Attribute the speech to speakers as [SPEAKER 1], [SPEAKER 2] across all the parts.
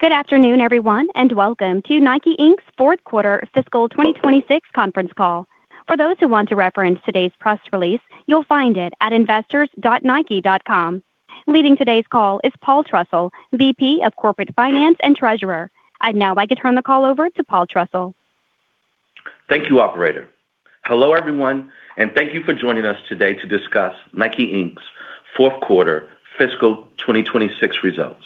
[SPEAKER 1] Good afternoon, everyone, and welcome to NIKE, Inc.'s fourth quarter fiscal 2026 conference call. For those who want to reference today's press release, you'll find it at investors.nike.com. Leading today's call is Paul Trussell, VP of Corporate Finance and Treasurer. I'd now like to turn the call over to Paul Trussell.
[SPEAKER 2] Thank you, operator. Hello, everyone, and thank you for joining us today to discuss NIKE, Inc.'s fourth quarter fiscal 2026 results.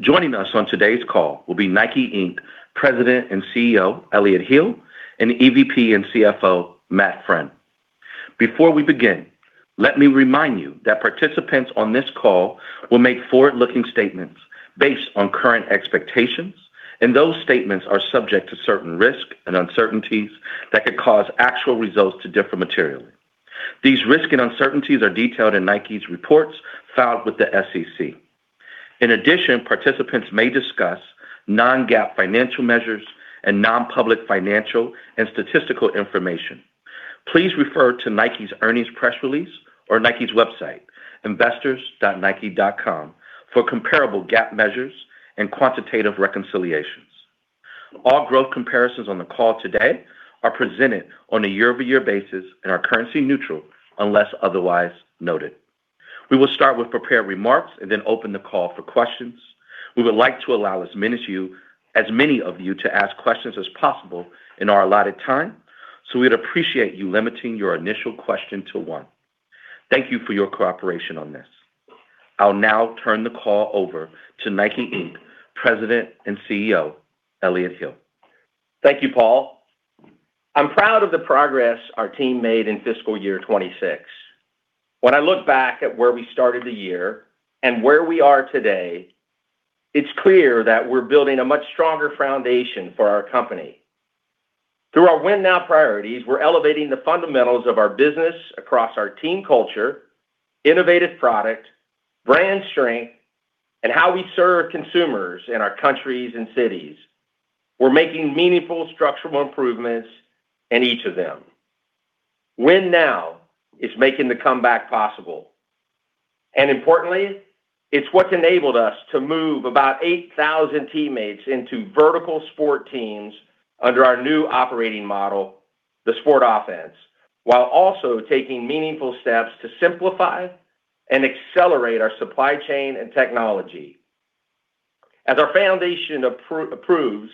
[SPEAKER 2] Joining us on today's call will be NIKE, Inc. President and CEO, Elliott Hill, and EVP and CFO, Matt Friend. Before we begin, let me remind you that participants on this call will make forward-looking statements based on current expectations, and those statements are subject to certain risk and uncertainties that could cause actual results to differ materially. These risks and uncertainties are detailed in Nike's reports filed with the SEC. In addition, participants may discuss non-GAAP financial measures and non-public financial and statistical information. Please refer to Nike's earnings press release or Nike's website, investors.nike.com, for comparable GAAP measures and quantitative reconciliations. All growth comparisons on the call today are presented on a year-over-year basis and are currency neutral unless otherwise noted. We will start with prepared remarks and then open the call for questions. We would like to allow as many of you to ask questions as possible in our allotted time, we'd appreciate you limiting your initial question to one. Thank you for your cooperation on this. I'll now turn the call over to NIKE, Inc. President and CEO, Elliott Hill.
[SPEAKER 3] Thank you, Paul. I'm proud of the progress our team made in fiscal year 2026. When I look back at where we started the year and where we are today, it's clear that we're building a much stronger foundation for our company. Through our Win Now priorities, we're elevating the fundamentals of our business across our team culture, innovative product, brand strength, and how we serve consumers in our countries and cities. We're making meaningful structural improvements in each of them. Win Now is making the comeback possible. Importantly, it's what's enabled us to move about 8,000 teammates into vertical sport teams under our new operating model, the Sport Offense, while also taking meaningful steps to simplify and accelerate our supply chain and technology. As our foundation improves,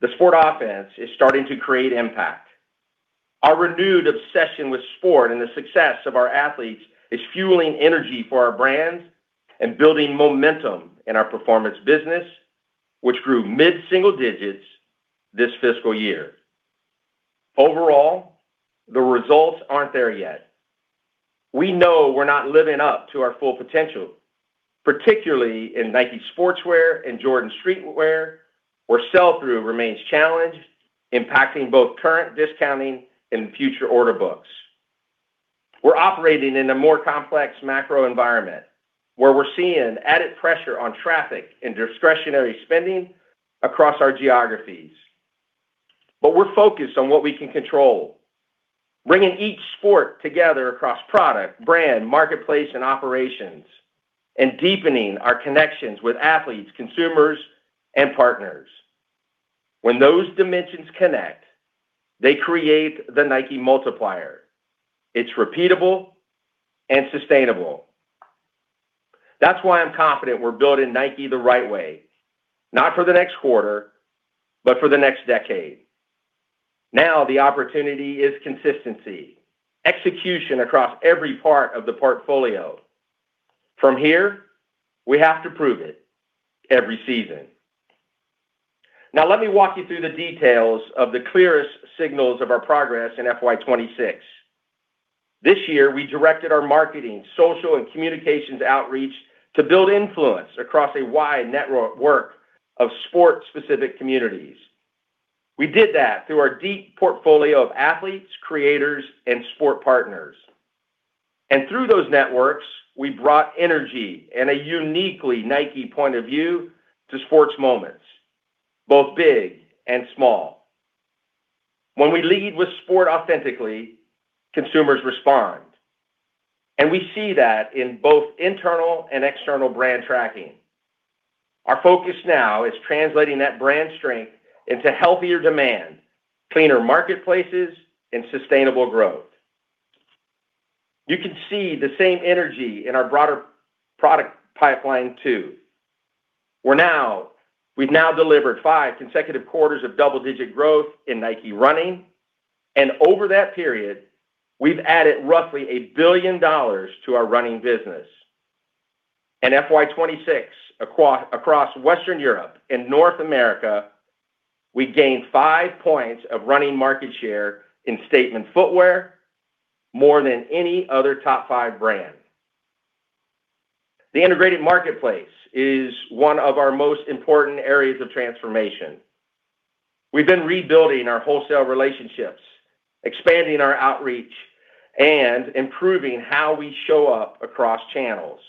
[SPEAKER 3] the Sport Offense is starting to create impact. Our renewed obsession with sport and the success of our athletes is fueling energy for our brands and building momentum in our performance business, which grew mid-single digits this fiscal year. Overall, the results aren't there yet. We know we're not living up to our full potential, particularly in Nike Sportswear and Jordan streetwear, where sell-through remains challenged, impacting both current discounting and future order books. We're operating in a more complex macro environment where we're seeing added pressure on traffic and discretionary spending across our geographies. We're focused on what we can control, bringing each sport together across product, brand, marketplace, and operations, and deepening our connections with athletes, consumers, and partners. When those dimensions connect, they create the Nike multiplier. It's repeatable and sustainable. That's why I'm confident we're building Nike the right way, not for the next quarter, but for the next decade. The opportunity is consistency, execution across every part of the portfolio. From here, we have to prove it every season. Let me walk you through the details of the clearest signals of our progress in FY 2026. This year, we directed our marketing, social, and communications outreach to build influence across a wide network of sport-specific communities. We did that through our deep portfolio of athletes, creators, and sport partners. Through those networks, we brought energy and a uniquely Nike point of view to sports moments, both big and small. When we lead with sport authentically, consumers respond, and we see that in both internal and external brand tracking. Our focus now is translating that brand strength into healthier demand, cleaner marketplaces, and sustainable growth. You can see the same energy in our broader product pipeline too. We've now delivered five consecutive quarters of double-digit growth in Nike Running, and over that period, we've added roughly $1 billion to our running business. In FY 2026, across Western Europe and North America, we gained five points of running market share in statement footwear, more than any other top five brand. The integrated marketplace is one of our most important areas of transformation. We've been rebuilding our wholesale relationships, expanding our outreach, and improving how we show up across channels.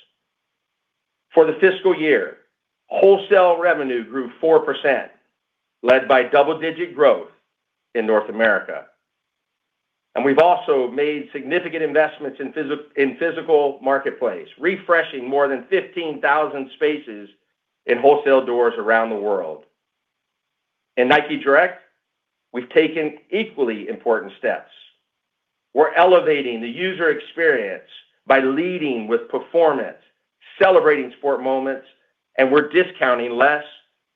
[SPEAKER 3] For the fiscal year, wholesale revenue grew 4%, led by double-digit growth in North America. We've also made significant investments in physical marketplace, refreshing more than 15,000 spaces in wholesale doors around the world. In NIKE Direct, we've taken equally important steps. We're elevating the user experience by leading with performance, celebrating sport moments, and we're discounting less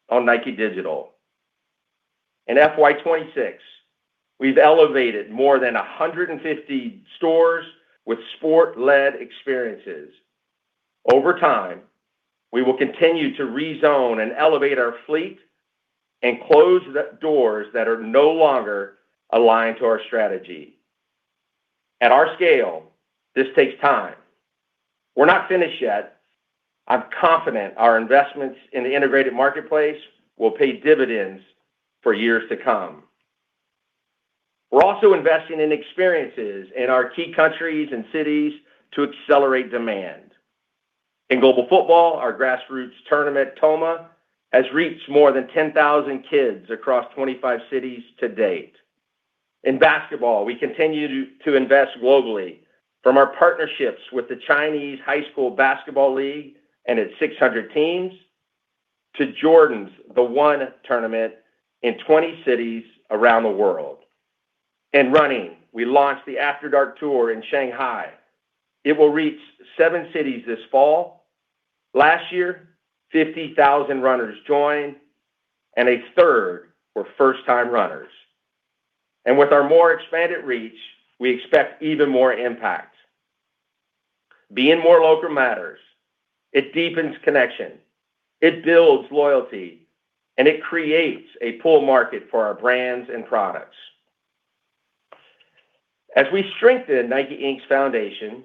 [SPEAKER 3] on Nike Digital. In FY 2026, we've elevated more than 150 stores with sport-led experiences. Over time, we will continue to rezone and elevate our fleet and close the doors that are no longer aligned to our strategy. At our scale, this takes time. We're not finished yet. I'm confident our investments in the integrated marketplace will pay dividends for years to come. We're also investing in experiences in our key countries and cities to accelerate demand. In global football, our grassroots tournament, TOMA, has reached more than 10,000 kids across 25 cities to date. In basketball, we continue to invest globally, from our partnerships with the Chinese High School Basketball League and its 600 teams to Jordan's The One tournament in 20 cities around the world. In running, we launched the After Dark Tour in Shanghai. It will reach seven cities this fall. Last year, 50,000 runners joined, and a third were first-time runners. With our more expanded reach, we expect even more impact. Being more local matters. It deepens connection, it builds loyalty, and it creates a pull market for our brands and products. As we strengthen NIKE, Inc.'s foundation,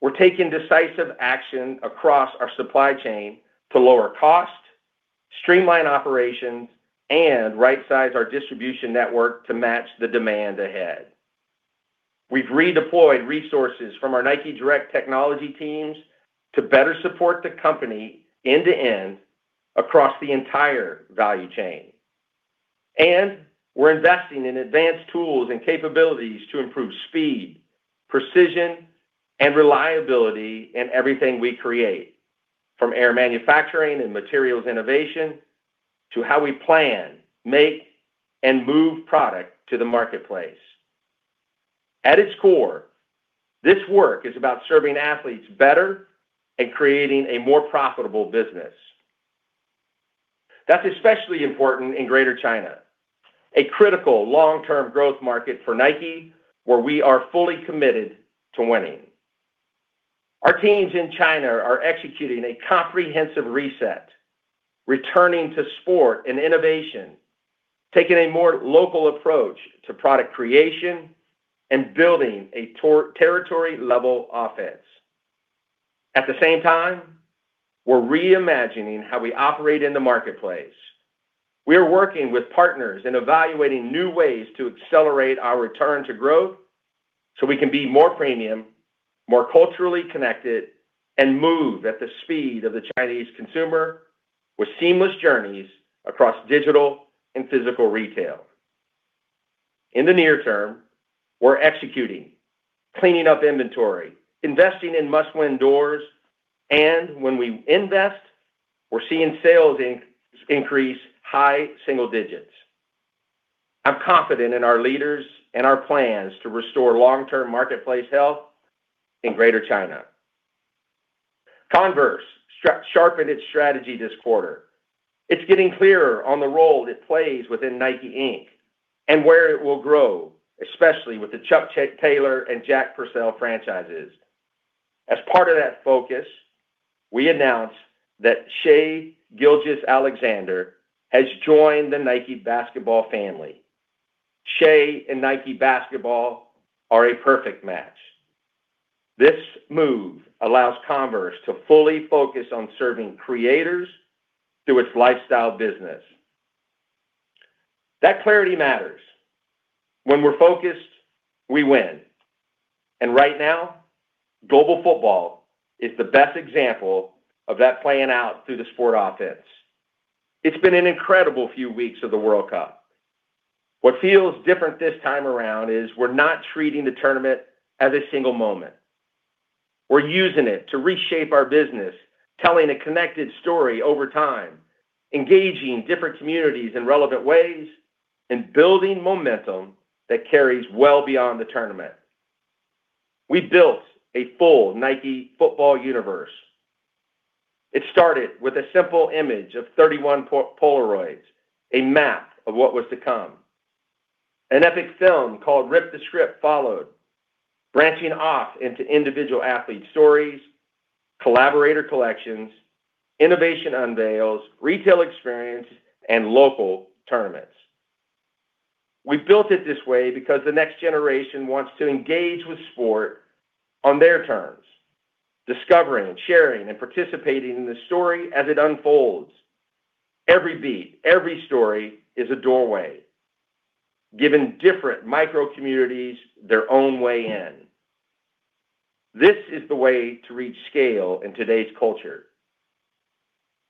[SPEAKER 3] we're taking decisive action across our supply chain to lower cost, streamline operations, and rightsize our distribution network to match the demand ahead. We've redeployed resources from our NIKE Direct technology teams to better support the company end to end across the entire value chain. We're investing in advanced tools and capabilities to improve speed, precision, and reliability in everything we create, from Air Manufacturing and materials innovation to how we plan, make, and move product to the marketplace. At its core, this work is about serving athletes better and creating a more profitable business. That's especially important in Greater China, a critical long-term growth market for Nike, where we are fully committed to winning. Our teams in China are executing a comprehensive reset, returning to sport and innovation, taking a more local approach to product creation, and building a territory-level offense. At the same time, we're reimagining how we operate in the marketplace. We're working with partners in evaluating new ways to accelerate our return to growth so we can be more premium, more culturally connected, and move at the speed of the Chinese consumer with seamless journeys across digital and physical retail. In the near term, we're executing, cleaning up inventory, investing in must-win doors, and when we invest, we're seeing sales increase high single digits. I'm confident in our leaders and our plans to restore long-term marketplace health in Greater China. Converse sharpened its strategy this quarter. It's getting clearer on the role it plays within NIKE, Inc. and where it will grow, especially with the Chuck Taylor and Jack Purcell franchises. As part of that focus, we announced that Shai Gilgeous-Alexander has joined the Nike Basketball family. Shai and Nike Basketball are a perfect match. This move allows Converse to fully focus on serving creators through its lifestyle business. That clarity matters. When we're focused, we win. Right now, global football is the best example of that playing out through the Sport Offense. It's been an incredible few weeks of the World Cup. What feels different this time around is we're not treating the tournament as a single moment. We're using it to reshape our business, telling a connected story over time, engaging different communities in relevant ways, and building momentum that carries well beyond the tournament. We built a full Nike football universe. It started with a simple image of 31 Polaroids, a map of what was to come. An epic film called "Rip the Script" followed, branching off into individual athlete stories, collaborator collections, innovation unveils, retail experience, and local tournaments. We built it this way because the next generation wants to engage with sport on their terms, discovering, sharing, and participating in the story as it unfolds. Every beat, every story is a doorway, giving different micro-communities their own way in. This is the way to reach scale in today's culture.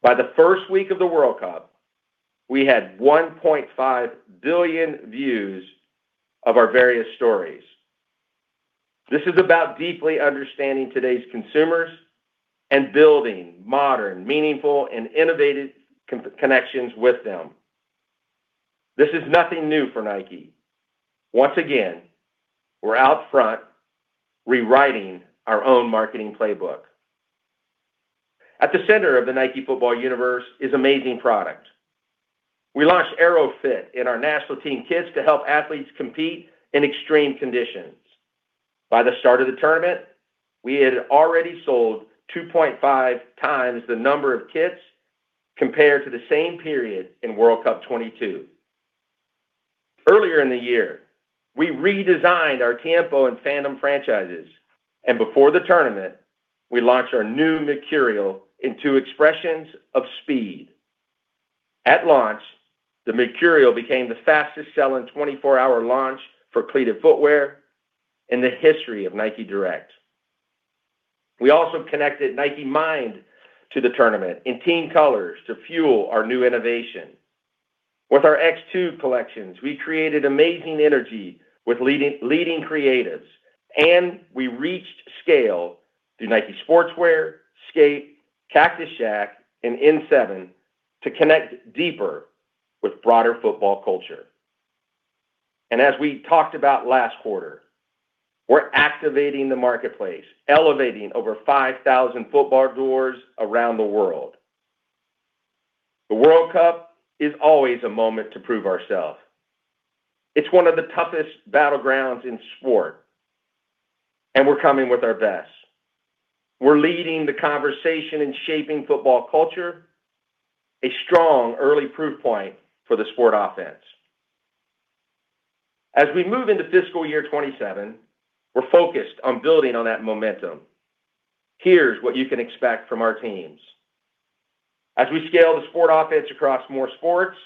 [SPEAKER 3] By the first week of the World Cup, we had 1.5 billion views of our various stories. This is about deeply understanding today's consumers and building modern, meaningful, and innovative connections with them. This is nothing new for Nike. Once again, we're out front rewriting our own marketing playbook. At the center of the Nike Football universe is amazing product. We launched AeroFit in our national team kits to help athletes compete in extreme conditions. By the start of the tournament, we had already sold 2.5 times the number of kits compared to the same period in World Cup 2022. Earlier in the year, we redesigned our Tiempo and Phantom franchises. Before the tournament, we launched our new Mercurial in two expressions of speed. At launch, the Mercurial became the fastest selling 24-hour launch for cleated footwear in the history of Nike Direct. We also connected Nike Mind to the tournament in team colors to fuel our new innovation. With our X2 collections, we created amazing energy with leading creatives, and we reached scale through Nike Sportswear, Skate, Cactus Jack, and N7 to connect deeper with broader football culture. As we talked about last quarter, we're activating the marketplace, elevating over 5,000 football doors around the world. The World Cup is always a moment to prove ourselves. It's one of the toughest battlegrounds in sport, and we're coming with our best. We're leading the conversation in shaping football culture, a strong early proof point for the Sport Offense. As we move into fiscal year 2027, we're focused on building on that momentum. Here's what you can expect from our teams. As we scale the Sport Offense across more sports,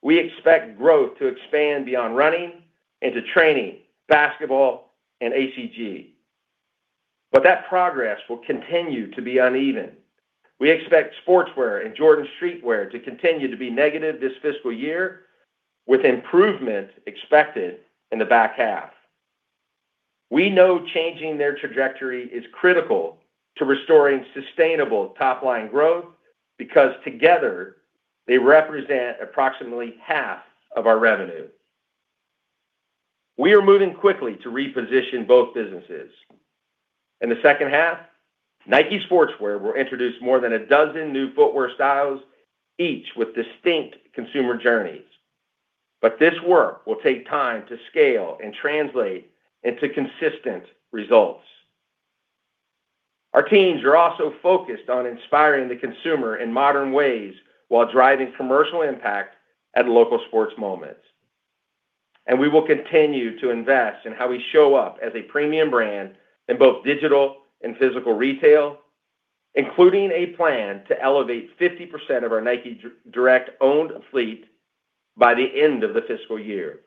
[SPEAKER 3] we expect growth to expand beyond Running into Training, Basketball, and ACG. That progress will continue to be uneven. We expect Sportswear and Jordan street wear to continue to be negative this fiscal year with improvement expected in the back half. We know changing their trajectory is critical to restoring sustainable top-line growth because together, they represent approximately half of our revenue. We are moving quickly to reposition both businesses. In the second half, Nike Sportswear will introduce more than a dozen new footwear styles, each with distinct consumer journeys. This work will take time to scale and translate into consistent results. Our teams are also focused on inspiring the consumer in modern ways while driving commercial impact at local sports moments. We will continue to invest in how we show up as a premium brand in both digital and physical retail, including a plan to elevate 50% of our Nike Direct-owned fleet by the end of the fiscal year.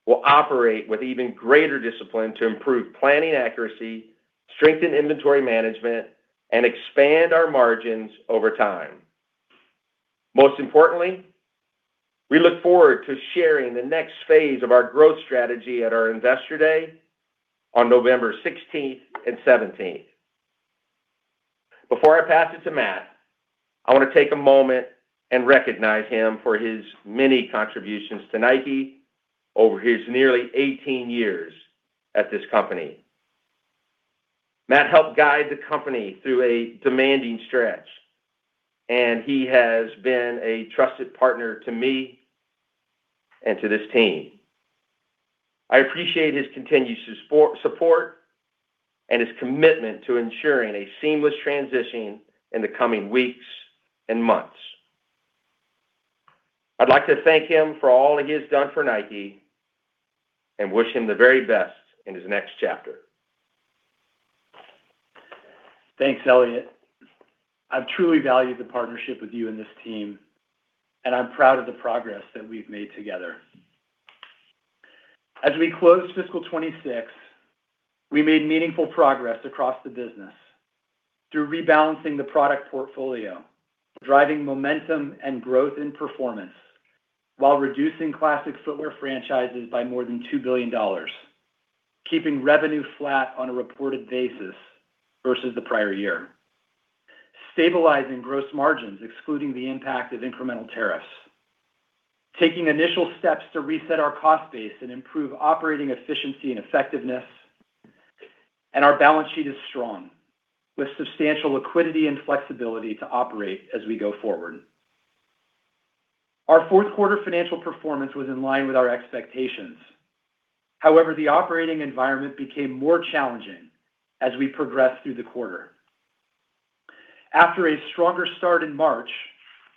[SPEAKER 3] Across the enterprise, we'll operate with even greater discipline to improve planning accuracy, strengthen inventory management, and expand our margins over time. Most importantly, we look forward to sharing the next phase of our growth strategy at our Investor Day on November 16th and 17th. Before I pass it to Matt, I want to take a moment and recognize him for his many contributions to Nike over his nearly 18 years at this company. Matt helped guide the company through a demanding stretch, and he has been a trusted partner to me and to this team. I appreciate his continued support and his commitment to ensuring a seamless transition in the coming weeks and months. I'd like to thank him for all he has done for Nike and wish him the very best in his next chapter.
[SPEAKER 4] Thanks, Elliott. I've truly valued the partnership with you and this team, and I'm proud of the progress that we've made together. As we close fiscal 2026, we made meaningful progress across the business through rebalancing the product portfolio, driving momentum and growth in performance while reducing classic footwear franchises by more than $2 billion, keeping revenue flat on a reported basis versus the prior year. Stabilizing gross margins, excluding the impact of incremental tariffs, taking initial steps to reset our cost base and improve operating efficiency and effectiveness. Our balance sheet is strong, with substantial liquidity and flexibility to operate as we go forward. Our fourth quarter financial performance was in line with our expectations. The operating environment became more challenging as we progressed through the quarter. After a stronger start in March,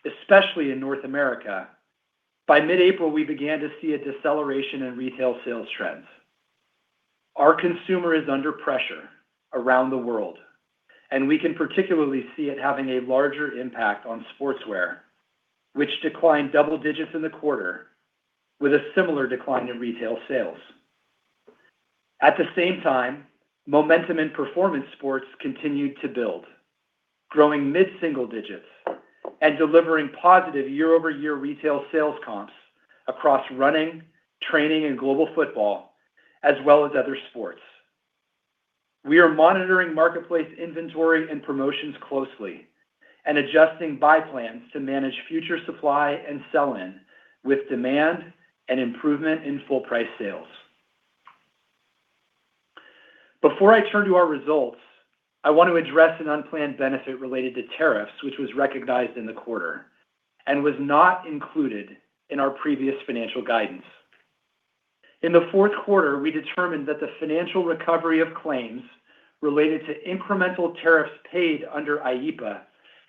[SPEAKER 4] especially in North America, by mid-April, we began to see a deceleration in retail sales trends. Our consumer is under pressure around the world, and we can particularly see it having a larger impact on Sportswear, which declined double digits in the quarter with a similar decline in retail sales. At the same time, momentum in performance sports continued to build, growing mid-single digits and delivering positive year-over-year retail sales comps across running, training, and global football, as well as other sports. We are monitoring marketplace inventory and promotions closely and adjusting buy plans to manage future supply and sell-in with demand and improvement in full price sales. Before I turn to our results, I want to address an unplanned benefit related to tariffs, which was recognized in the quarter and was not included in our previous financial guidance. In the fourth quarter, we determined that the financial recovery of claims related to incremental tariffs paid under IEEPA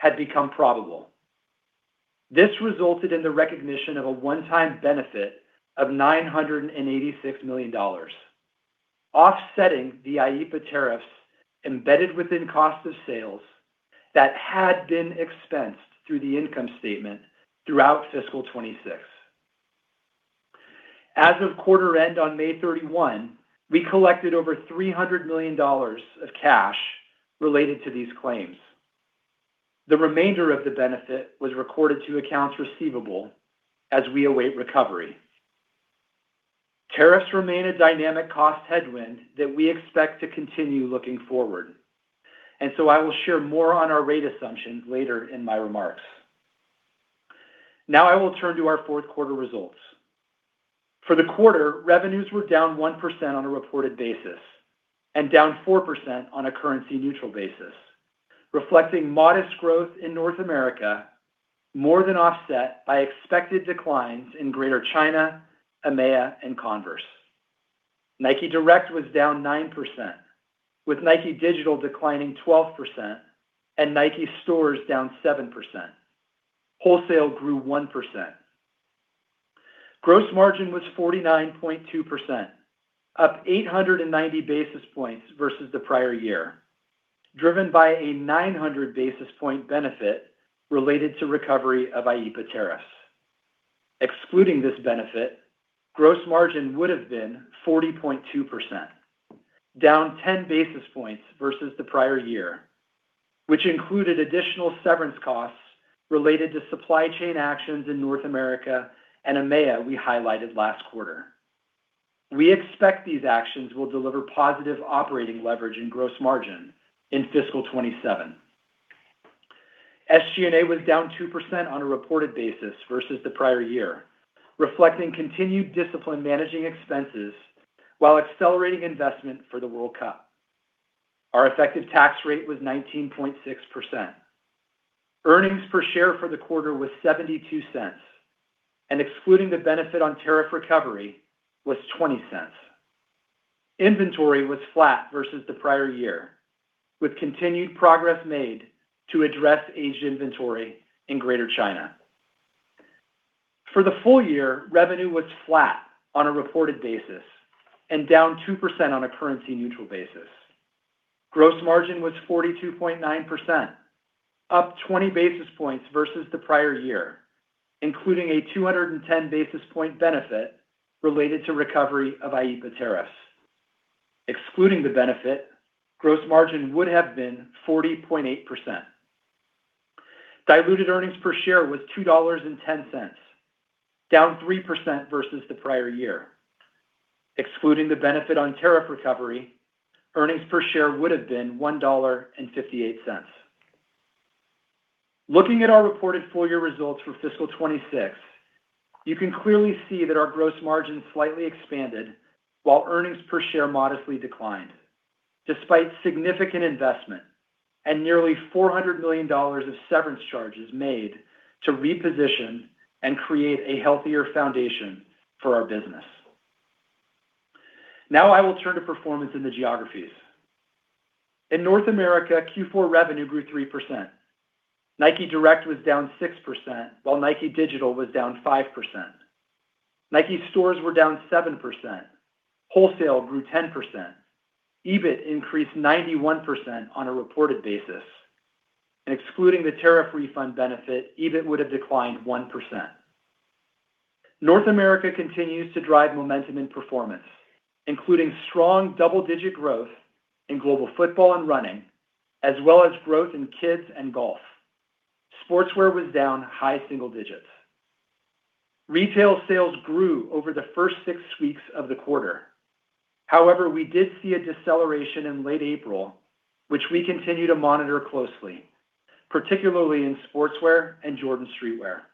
[SPEAKER 4] had become probable. This resulted in the recognition of a one-time benefit of $986 million, offsetting the IEEPA tariffs embedded within cost of sales that had been expensed through the income statement throughout fiscal 2026. As of quarter end on May 31, we collected over $300 million of cash related to these claims. The remainder of the benefit was recorded to accounts receivable as we await recovery. Tariffs remain a dynamic cost headwind that we expect to continue looking forward, and so I will share more on our rate assumptions later in my remarks. I will turn to our fourth quarter results. For the quarter, revenues were down 1% on a reported basis and down 4% on a currency neutral basis, reflecting modest growth in North America, more than offset by expected declines in Greater China, EMEA, and Converse. NIKE Direct was down 9%, with Nike Digital declining 12% and Nike stores down 7%. Wholesale grew 1%. Gross margin was 49.2%, up 890 basis points versus the prior year, driven by a 900 basis point benefit related to recovery of IEEPA tariffs. ] Excluding this benefit, gross margin would've been 40.2%, down 10 basis points versus the prior year, which included additional severance costs related to supply chain actions in North America and EMEA we highlighted last quarter. We expect these actions will deliver positive operating leverage and gross margin in fiscal 2027. SG&A was down 2% on a reported basis versus the prior year, reflecting continued discipline managing expenses while accelerating investment for the World Cup. Our effective tax rate was 19.6%. Earnings per share for the quarter was $0.72, and excluding the benefit on tariff recovery, was $0.20. Inventory was flat versus the prior year with continued progress made to address aged inventory in Greater China. For the full year, revenue was flat on a reported basis and down 2% on a currency neutral basis. Gross margin was 42.9%, up 20 basis points versus the prior year, including a 210 basis point benefit related to recovery of IEEPA tariffs. Excluding the benefit, gross margin would have been 40.8%. Diluted earnings per share was $2.10, down 3% versus the prior year. Excluding the benefit on tariff recovery, earnings per share would've been $1.58. Looking at our reported full year results for fiscal 2026, you can clearly see that our gross margin slightly expanded while earnings per share modestly declined, despite significant investment and nearly $400 million of severance charges made to reposition and create a healthier foundation for our business. Now I will turn to performance in the geographies. In North America, Q4 revenue grew 3%. NIKE Direct was down 6%, while Nike Digital was down 5%. Nike stores were down 7%. Wholesale grew 10%. EBIT increased 91% on a reported basis, and excluding the tariff refund benefit, EBIT would've declined 1%. North America continues to drive momentum and performance, including strong double-digit growth in global football and running, as well as growth in kids and golf. Sportswear was down high single digits. Retail sales grew over the first six weeks of the quarter. However, we did see a deceleration in late April, which we continue to monitor closely, particularly in Sportswear and Jordan street wear.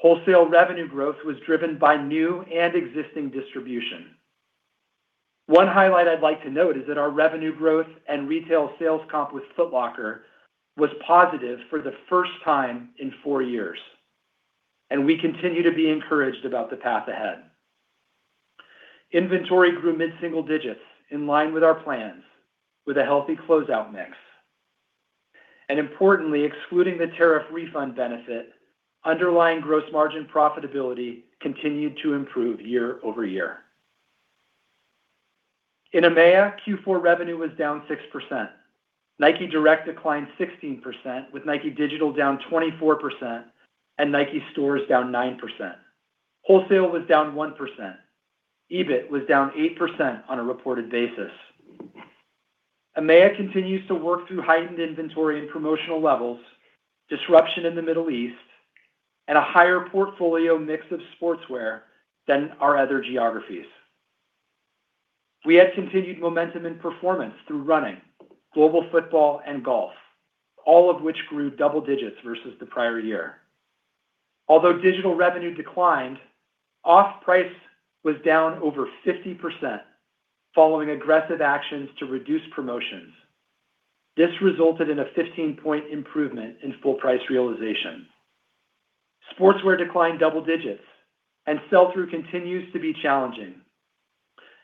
[SPEAKER 4] Wholesale revenue growth was driven by new and existing distribution. One highlight I'd like to note is that our revenue growth and retail sales comp with Foot Locker was positive for the first time in four years, and we continue to be encouraged about the path ahead. Inventory grew mid-single digits in line with our plans with a healthy closeout mix, and importantly, excluding the tariff refund benefit, underlying gross margin profitability continued to improve year over year. In EMEA, Q4 revenue was down 6%. NIKE Direct declined 16%, with Nike Digital down 24% and Nike stores down 9%. Wholesale was down 1%. EBIT was down 8% on a reported basis. EMEA continues to work through heightened inventory and promotional levels, disruption in the Middle East, and a higher portfolio mix of Sportswear than our other geographies. We had continued momentum and performance through running, global football, and golf, all of which grew double digits versus the prior year. Although digital revenue declined, off price was down over 50% following aggressive actions to reduce promotions. This resulted in a 15 point improvement in full price realization. Sportswear declined double digits and sell-through continues to be challenging,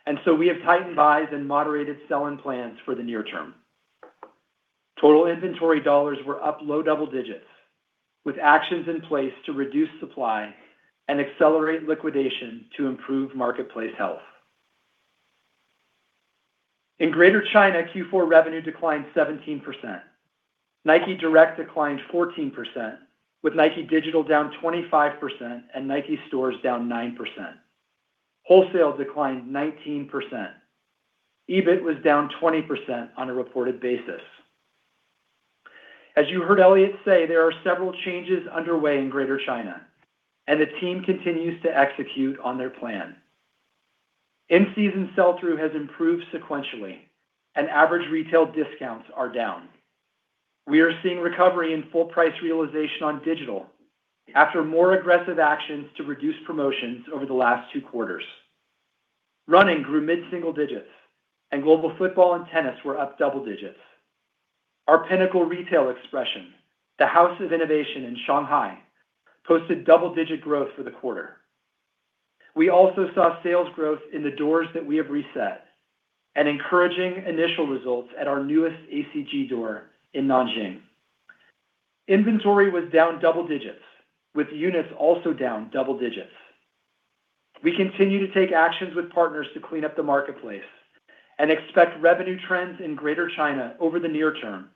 [SPEAKER 4] and so we have tightened buys and moderated sell-in plans for the near term. Total inventory dollars were up low double digits with actions in place to reduce supply and accelerate liquidation to improve marketplace health. In Greater China, Q4 revenue declined 17%. NIKE Direct declined 14%, with Nike Digital down 25% and Nike stores down 9%. Wholesale declined 19%. EBIT was down 20% on a reported basis. As you heard Elliott say, there are several changes underway in Greater China, and the team continues to execute on their plan. In-season sell-through has improved sequentially and average retail discounts are down. We are seeing recovery in full price realization on digital after more aggressive actions to reduce promotions over the last two quarters. Running grew mid-single digits and Global Football and Tennis were up double digits. Our pinnacle retail expression, The House of Innovation in Shanghai, posted double-digit growth for the quarter. We also saw sales growth in the doors that we have reset and encouraging initial results at our newest ACG door in Nanjing. Inventory was down double digits with units also down double digits. We continue to take actions with partners to clean up the marketplace and expect revenue trends in Greater China over the near term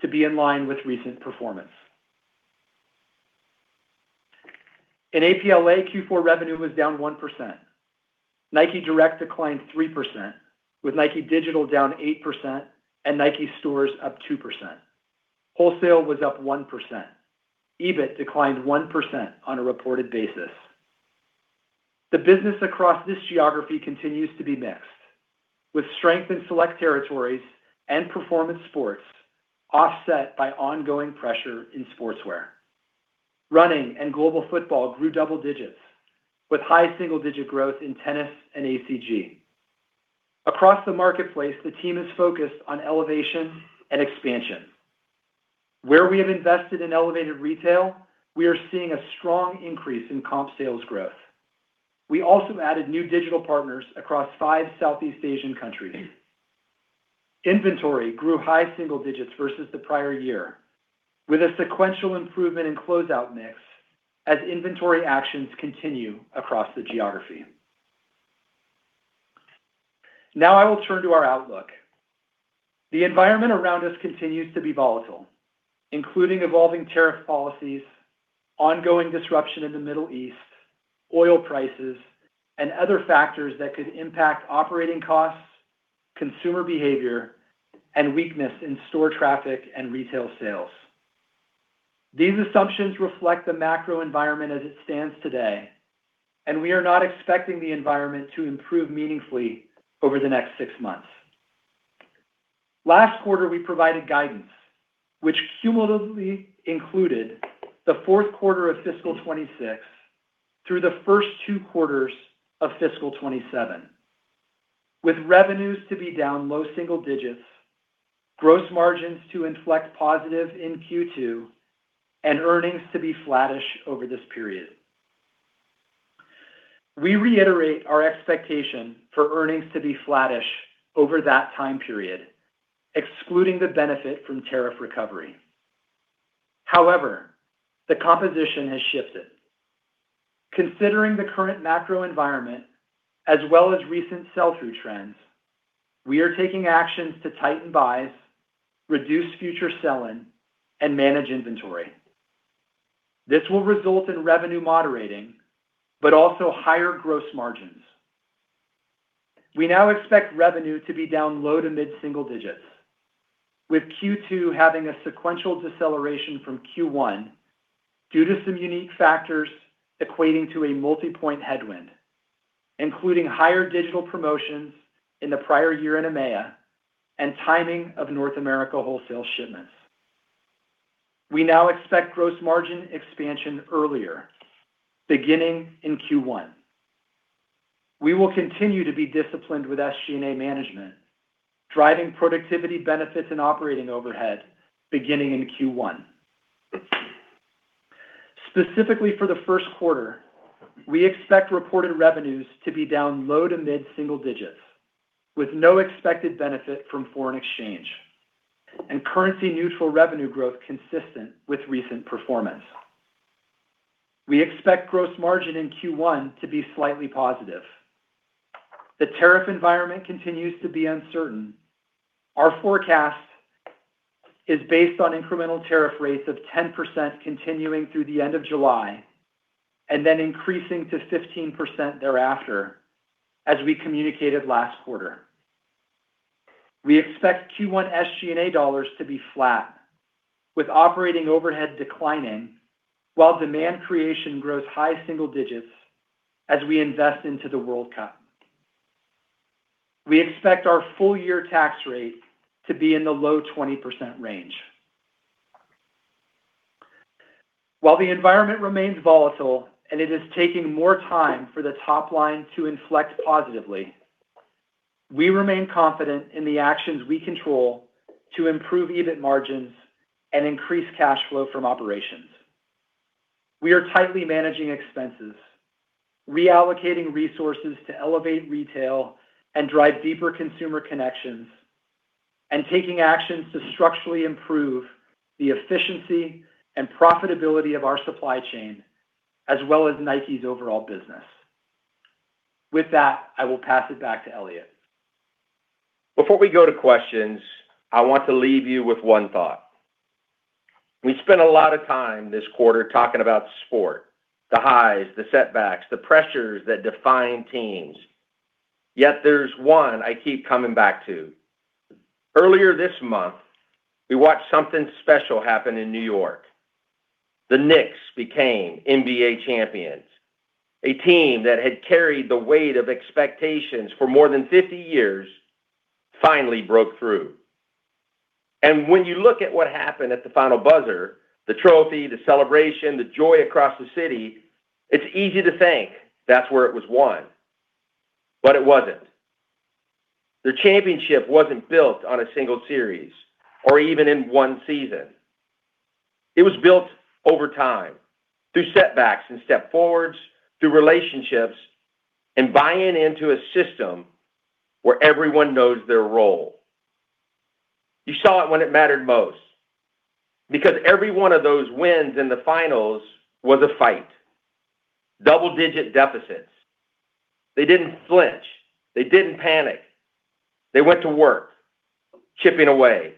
[SPEAKER 4] to be in line with recent performance. In APLA, Q4 revenue was down 1%. Nike Direct declined 3%, with Nike Digital down 8% and Nike stores up 2%. Wholesale was up 1%. EBIT declined 1% on a reported basis. The business across this geography continues to be mixed, with strength in select territories and performance sports offset by ongoing pressure in sportswear. Running and Global Football grew double digits with high single digit growth in Tennis and ACG. Across the marketplace, the team is focused on elevation and expansion. Where we have invested in elevated retail, we are seeing a strong increase in comp sales growth. We also added new digital partners across five Southeast Asian countries. Inventory grew high single digits versus the prior year, with a sequential improvement in closeout mix as inventory actions continue across the geography. Now I will turn to our outlook. The environment around us continues to be volatile, including evolving tariff policies, ongoing disruption in the Middle East, oil prices, and other factors that could impact operating costs, consumer behavior, and weakness in store traffic and retail sales. These assumptions reflect the macro environment as it stands today, and we are not expecting the environment to improve meaningfully over the next six months. Last quarter, we provided guidance which cumulatively included the fourth quarter of fiscal 2026 through the first two quarters of fiscal 2027. With revenues to be down low single digits, gross margins to inflect positive in Q2, and earnings to be flattish over this period. We reiterate our expectation for earnings to be flattish over that time period, excluding the benefit from tariff recovery. However, the composition has shifted. Considering the current macro environment as well as recent sell-through trends, we are taking actions to tighten buys, reduce future sell-in, and manage inventory. This will result in revenue moderating, but also higher gross margins. We now expect revenue to be down low to mid single digits, with Q2 having a sequential deceleration from Q1 due to some unique factors equating to a multipoint headwind, including higher digital promotions in the prior year in EMEA and timing of North America wholesale shipments. We now expect gross margin expansion earlier, beginning in Q1. We will continue to be disciplined with SG&A management, driving productivity benefits and operating overhead beginning in Q1. Specifically for the first quarter, we expect reported revenues to be down low to mid single digits with no expected benefit from foreign exchange and currency neutral revenue growth consistent with recent performance. We expect gross margin in Q1 to be slightly positive. The tariff environment continues to be uncertain. Our forecast is based on incremental tariff rates of 10% continuing through the end of July and then increasing to 15% thereafter, as we communicated last quarter. We expect Q1 SG&A dollars to be flat, with operating overhead declining while demand creation grows high single digits as we invest into the World Cup. We expect our full year tax rate to be in the low 20% range. While the environment remains volatile and it is taking more time for the top line to inflect positively, we remain confident in the actions we control to improve EBIT margins and increase cash flow from operations. We are tightly managing expenses, reallocating resources to elevate retail and drive deeper consumer connections, and taking actions to structurally improve the efficiency and profitability of our supply chain, as well as Nike's overall business. With that, I will pass it back to Elliott.
[SPEAKER 3] Before we go to questions, I want to leave you with one thought. We spent a lot of time this quarter talking about sport, the highs, the setbacks, the pressures that define teams. Yet there's one I keep coming back to. Earlier this month, we watched something special happen in New York. The Knicks became NBA champions. A team that had carried the weight of expectations for more than 50 years finally broke through. When you look at what happened at the final buzzer, the trophy, the celebration, the joy across the city, it's easy to think that's where it was won. It wasn't. Their championship wasn't built on a single series, or even in one season. It was built over time, through setbacks and step forwards, through relationships, and buying into a system where everyone knows their role. You saw it when it mattered most. Every one of those wins in the finals was a fight. Double-digit deficits. They didn't flinch. They didn't panic. They went to work, chipping away.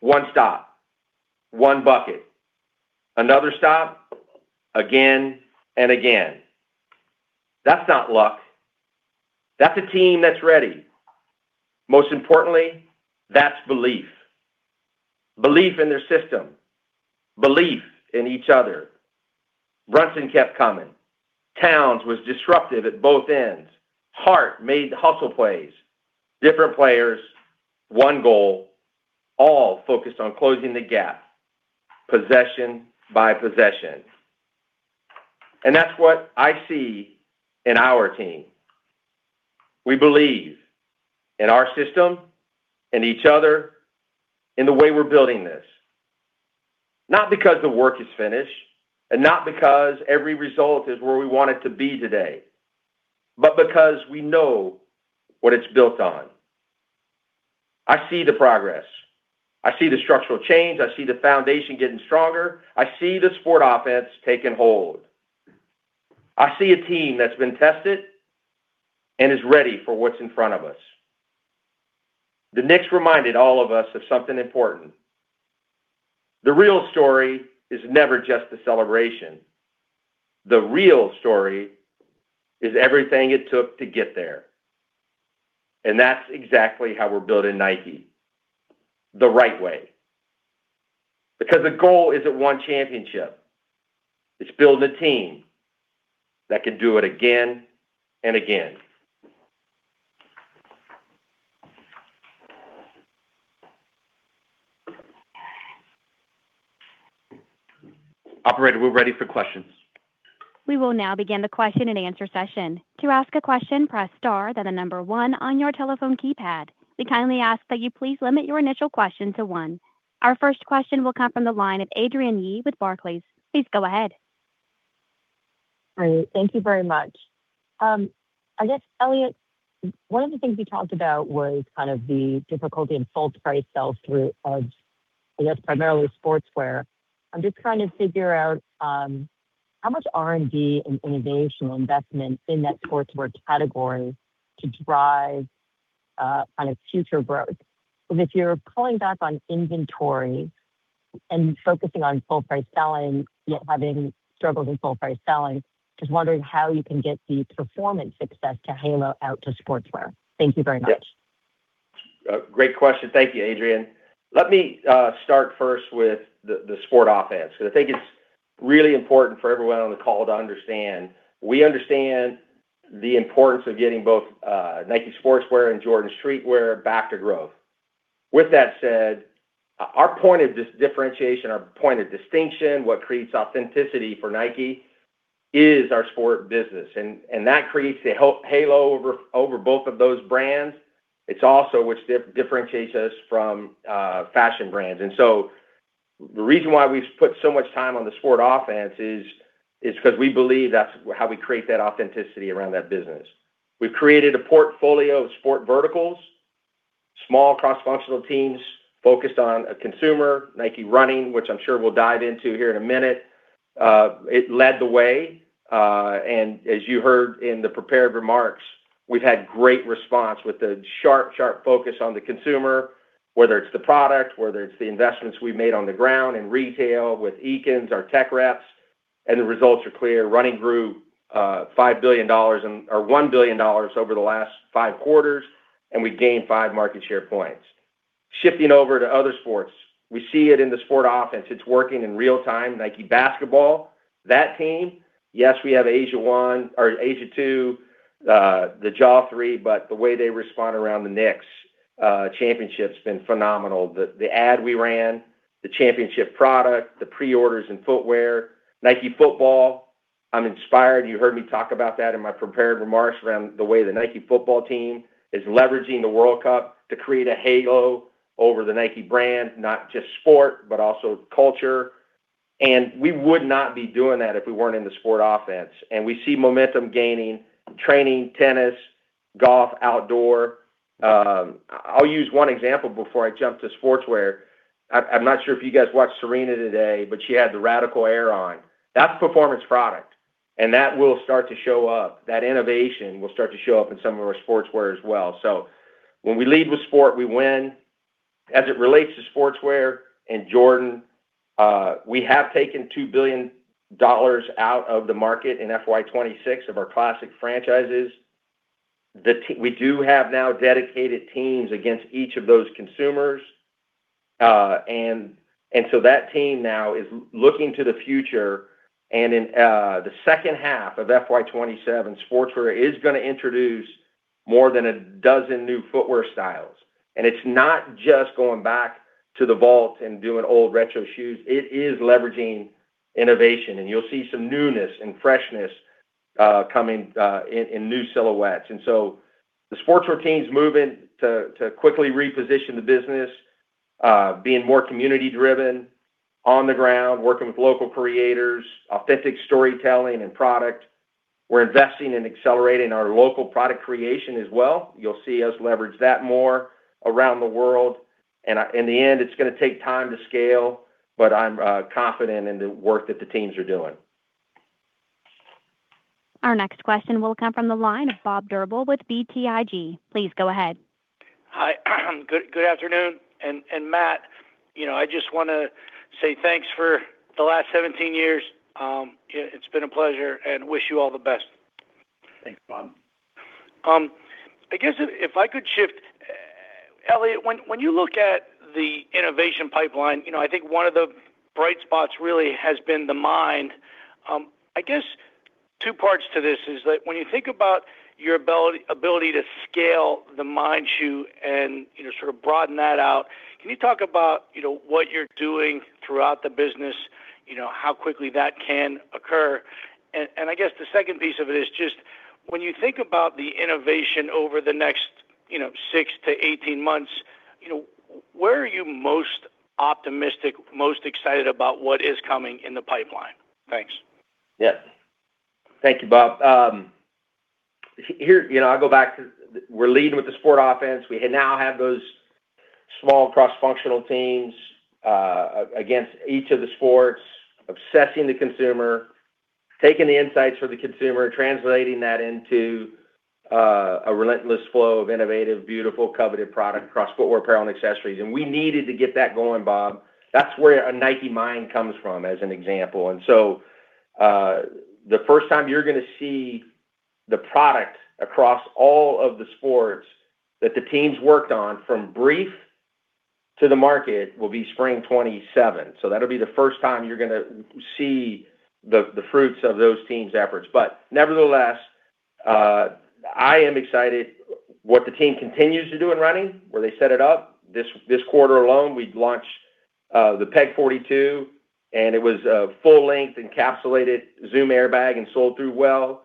[SPEAKER 3] One stop, one bucket. Another stop, again and again. That's not luck. That's a team that's ready. Most importantly, that's belief. Belief in their system, belief in each other. Brunson kept coming. Towns was disruptive at both ends. Hart made the hustle plays. Different players, one goal, all focused on closing the gap, possession by possession. That's what I see in our team. We believe in our system, in each other, in the way we're building this. Not because the work is finished, and not because every result is where we want it to be today, but because we know what it's built on. I see the progress. I see the structural change. I see the foundation getting stronger. I see the Sport Offense taking hold. I see a team that's been tested and is ready for what's in front of us. The Knicks reminded all of us of something important. The real story is never just the celebration. The real story is everything it took to get there. That's exactly how we're building Nike, the right way. The goal isn't one championship. It's building a team that can do it again and again. Operator, we're ready for questions.
[SPEAKER 1] We will now begin the question and answer session. To ask a question, press star, then the number one on your telephone keypad. We kindly ask that you please limit your initial question to one. Our first question will come from the line of Adrienne Yih with Barclays. Please go ahead.
[SPEAKER 5] Great. Thank you very much. I guess, Elliott, one of the things we talked about was kind of the difficulty in full price sell-through of, I guess, primarily Sportswear. I'm just trying to figure out how much R&D and innovation investment in that Sportswear category to drive future growth. If you're pulling back on inventory and focusing on full price selling, yet having struggles in full price selling, just wondering how you can get the performance success to halo out to Sportswear. Thank you very much.
[SPEAKER 3] Yeah. Great question. Thank you, Adrienne. Let me start first with the Sport Offense, because I think it's really important for everyone on the call to understand. We understand the importance of getting both Nike Sportswear and Jordan street wear back to growth. With that said, our point of differentiation, our point of distinction, what creates authenticity for Nike is our sport business, and that creates the halo over both of those brands. It's also which differentiates us from fashion brands. The reason why we've put so much time on the Sport Offense is because we believe that's how we create that authenticity around that business. We've created a portfolio of sport verticals Small cross-functional teams focused on a consumer, Nike Running, which I'm sure we'll dive into here in a minute. It led the way. As you heard in the prepared remarks, we've had great response with the sharp focus on the consumer, whether it's the product, whether it's the investments we made on the ground in retail with EKINs, our tech reps. The results are clear. Running grew $1 billion over the last five quarters, and we've gained five market share points. Shifting over to other sports, we see it in the Sport Offense. It's working in real time. Nike Basketball, that team. Yes, we have Nike A'Two, the Nike Ja 3, but the way they respond around the Knicks championship's been phenomenal. The ad we ran, the championship product, the pre-orders in footwear. Nike Football, I'm inspired. You heard me talk about that in my prepared remarks around the way the Nike Football team is leveraging the World Cup to create a halo over the Nike brand, not just sport, but also culture. We would not be doing that if we weren't in the Sport Offense. We see momentum gaining. Training, tennis, golf, outdoor. I'll use one example before I jump to Sportswear. I'm not sure if you guys watched Serena today, but she had the Radical Air on. That's performance product. That will start to show up. That innovation will start to show up in some of our Sportswear as well. When we lead with sport, we win. As it relates to Sportswear and Jordan, we have taken $2 billion out of the market in FY 2026 of our classic franchises. We do have now dedicated teams against each of those consumers. That team now is looking to the future, and in the second half of FY 2027, Sportswear is going to introduce more than a dozen new footwear styles. It's not just going back to the vault and doing old retro shoes. It is leveraging innovation, and you'll see some newness and freshness coming in new silhouettes. The Sportswear team's moving to quickly reposition the business, being more community driven, on the ground, working with local creators, authentic storytelling and product. We're investing in accelerating our local product creation as well. You'll see us leverage that more around the world. In the end, it's going to take time to scale, but I'm confident in the work that the teams are doing.
[SPEAKER 1] Our next question will come from the line of Bob Drbul with BTIG. Please go ahead.
[SPEAKER 6] Hi. Good afternoon. Matt, I just want to say thanks for the last 17 years. It's been a pleasure, and wish you all the best.
[SPEAKER 4] Thanks, Bob.
[SPEAKER 6] I guess if I could shift. Elliott, when you look at the innovation pipeline, I think one of the bright spots really has been the Mind. I guess two parts to this is that when you think about your ability to scale the Mind shoe and sort of broaden that out, can you talk about what you're doing throughout the business, how quickly that can occur? I guess the second piece of it is just when you think about the innovation over the next 6 to 18 months, where are you most optimistic, most excited about what is coming in the pipeline? Thanks.
[SPEAKER 3] Yeah. Thank you, Bob. I'll go back to we're leading with the Sport Offense. We now have those small cross-functional teams against each of the sports, obsessing the consumer, taking the insights for the consumer, translating that into a relentless flow of innovative, beautiful, coveted product across footwear, apparel, and accessories. We needed to get that going, Bob. That's where a Nike Mind comes from, as an example. The first time you're going to see the product across all of the sports that the teams worked on from brief to the market will be spring 2027. That'll be the first time you're going to see the fruits of those teams' efforts. Nevertheless, I am excited what the team continues to do in running, where they set it up. This quarter alone, we launched the Peg 42, and it was a full length encapsulated Zoom Air bag and sold through well.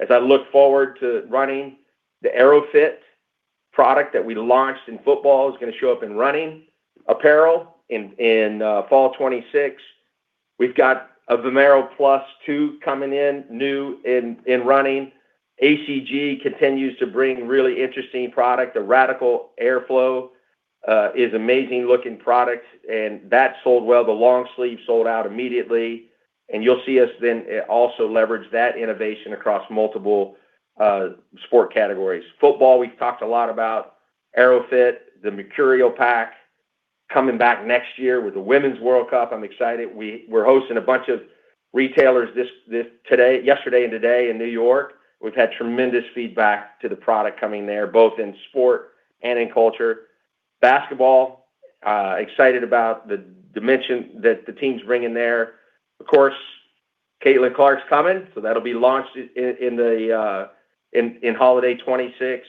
[SPEAKER 3] As I look forward to running the Aero-FIT product that we launched in football is going to show up in running apparel in fall 2026. We've got a Vomero Plus 2 coming in new in running. ACG continues to bring really interesting product. The Radical AirFlow is amazing looking product, and that sold well. The long sleeve sold out immediately. You'll see us then also leverage that innovation across multiple sport categories. Football, we've talked a lot about Aero-FIT, the Mercurial pack coming back next year with the Women's World Cup. I'm excited. We're hosting a bunch of retailers yesterday and today in New York. We've had tremendous feedback to the product coming there, both in sport and in culture. Basketball, excited about the dimension that the team's bringing there. Of course, Caitlin Clark's coming, so that'll be launched in Holiday 2026.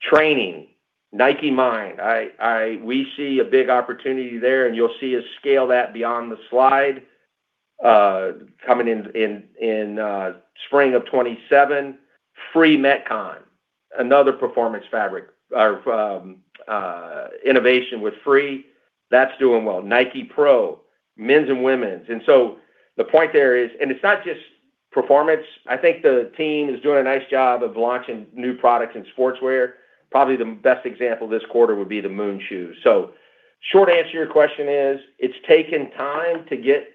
[SPEAKER 3] Training, Nike Mind. We see a big opportunity there, and you'll see us scale that beyond the slide coming in spring of 2027. Free Metcon, another performance fabric or innovation with Free. That's doing well. Nike Pro, men's and women's. The point there is, and it's not just Performance. I think the team is doing a nice job of launching new products in sportswear. Probably the best example this quarter would be the Moon Shoe. Short answer to your question is, it's taken time to get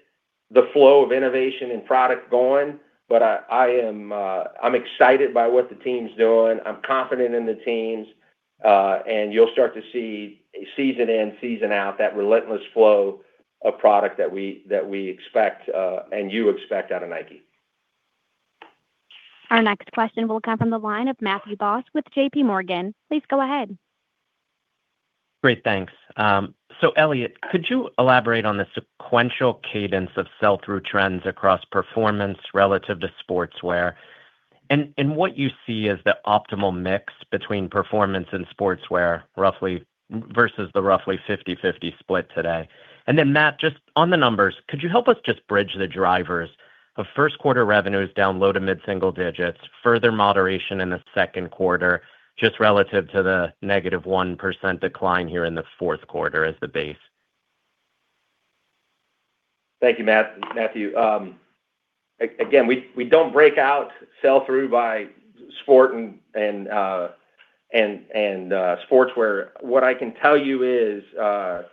[SPEAKER 3] the flow of innovation and product going, but I'm excited by what the team's doing. I'm confident in the teams. You'll start to see, season in, season out, that relentless flow of product that we expect, and you expect out of Nike.
[SPEAKER 1] Our next question will come from the line of Matthew Boss with JPMorgan. Please go ahead.
[SPEAKER 7] Great, thanks. Elliott, could you elaborate on the sequential cadence of sell-through trends across performance relative to sportswear? What you see as the optimal mix between performance and sportswear versus the roughly 50-50 split today. Matt, just on the numbers, could you help us just bridge the drivers of first quarter revenues down low to mid single digits, further moderation in the second quarter, just relative to the -1% decline here in the fourth quarter as the base.
[SPEAKER 3] Thank you, Matthew. Again, we don't break out sell-through by sport and sportswear. What I can tell you is,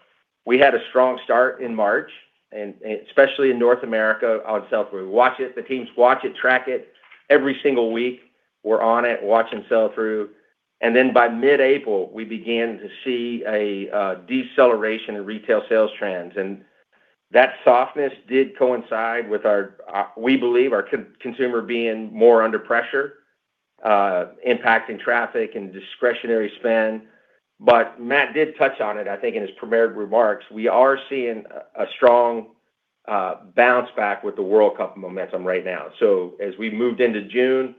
[SPEAKER 3] we had a strong start in March, especially in North America on sell-through. The teams watch it, track it every single week. We're on it watching sell-through. By mid-April, we began to see a deceleration in retail sales trends. That softness did coincide with, we believe, our consumer being more under pressure, impacting traffic and discretionary spend. Matt did touch on it, I think, in his prepared remarks. We are seeing a strong bounce back with the World Cup momentum right now. As we moved into June,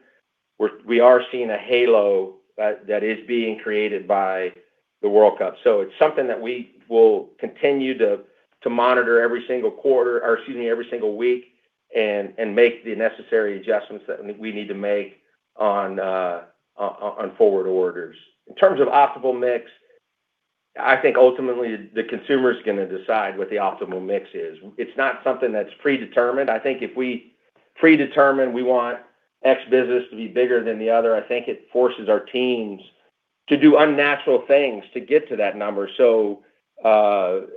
[SPEAKER 3] we are seeing a halo that is being created by the World Cup. It's something that we will continue to monitor every single week and make the necessary adjustments that we need to make on forward orders. In terms of optimal mix, I think ultimately the consumer's going to decide what the optimal mix is. It's not something that's predetermined. I think if we predetermine we want X business to be bigger than the other, I think it forces our teams to do unnatural things to get to that number.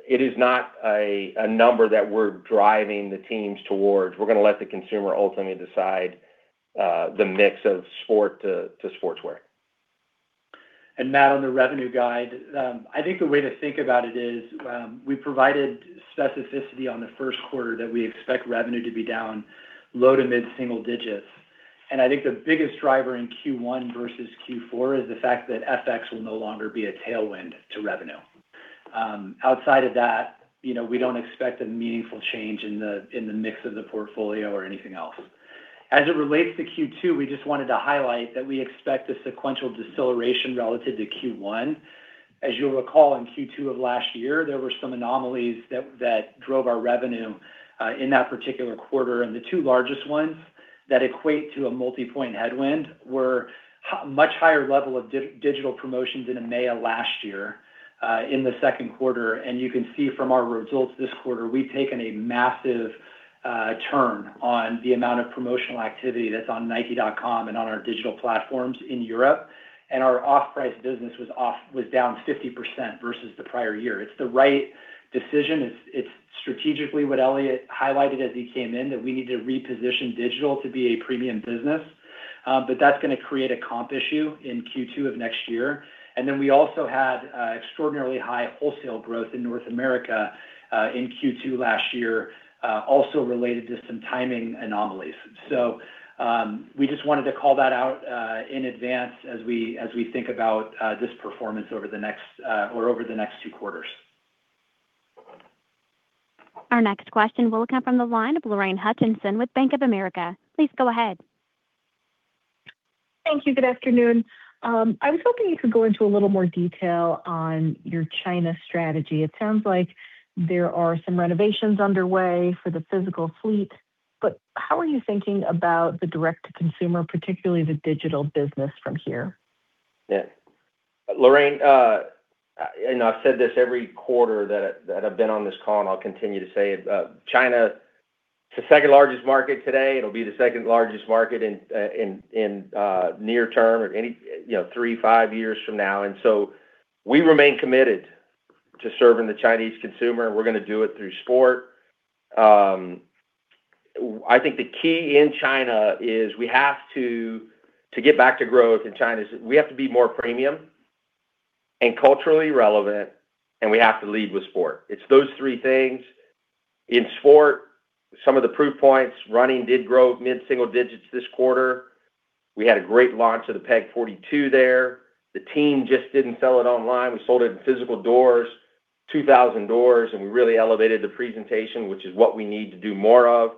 [SPEAKER 3] It is not a number that we're driving the teams towards. We're going to let the consumer ultimately decide the mix of sport to sportswear.
[SPEAKER 4] Matt, on the revenue guide, I think the way to think about it is, we provided specificity on the first quarter that we expect revenue to be down low to mid single digits. I think the biggest driver in Q1 versus Q4 is the fact that FX will no longer be a tailwind to revenue. Outside of that, we don't expect a meaningful change in the mix of the portfolio or anything else. As it relates to Q2, we just wanted to highlight that we expect a sequential deceleration relative to Q1. As you'll recall, in Q2 of last year, there were some anomalies that drove our revenue, in that particular quarter. The two largest ones that equate to a multi-point headwind were much higher level of digital promotions in EMEA last year, in the second quarter. You can see from our results this quarter, we've taken a massive turn on the amount of promotional activity that's on nike.com and on our digital platforms in Europe. Our off-price business was down 50% versus the prior year. It's the right decision. It's strategically what Elliott highlighted as he came in, that we need to reposition digital to be a premium business. That's going to create a comp issue in Q2 of next year. We also had extraordinarily high wholesale growth in North America, in Q2 last year, also related to some timing anomalies. We just wanted to call that out in advance as we think about this performance over the next two quarters.
[SPEAKER 1] Our next question will come from the line of Lorraine Hutchinson with Bank of America. Please go ahead.
[SPEAKER 8] Thank you. Good afternoon. I was hoping you could go into a little more detail on your China strategy. It sounds like there are some renovations underway for the physical fleet, but how are you thinking about the direct-to-consumer, particularly the digital business from here?
[SPEAKER 3] Yeah. Lorraine, I've said this every quarter that I've been on this call, and I'll continue to say it. China, it's the second largest market today. It'll be the second largest market in near term or three, five years from now. We remain committed to serving the Chinese consumer, and we're going to do it through sport. I think the key in China is we have to get back to growth in China, we have to be more premium and culturally relevant, we have to lead with sport. It's those three things. In sport, some of the proof points, running did grow mid single digits this quarter. We had a great launch of the Peg 42 there. The team just didn't sell it online. We sold it in physical doors, 2,000 doors, and we really elevated the presentation, which is what we need to do more of.